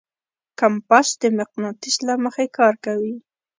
کمپاس د مقناطیس له مخې کار کوي.